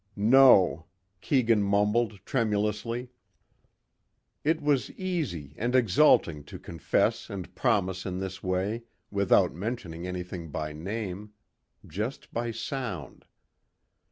"No," Keegan mumbled tremulously. It was easy and exalting to confess and promise in this way, without mentioning anything by name. Just by sound.